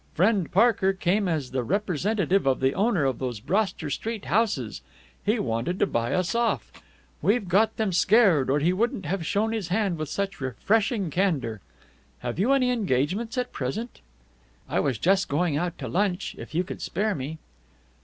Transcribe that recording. Friend Parker came as the representative of the owner of those Broster Street houses. He wanted to buy us off. We've got them scared, or he wouldn't have shown his hand with such refreshing candor. Have you any engagements at present?" "I was just going out to lunch, if you could spare me."